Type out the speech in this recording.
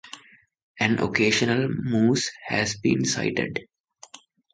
An occasional moose has been sighted.